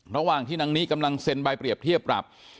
ระหว่างที่นางนี้กำลังเซ็นใบเปรียบเทียบปรับ